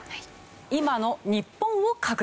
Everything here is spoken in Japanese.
今の日本を確認。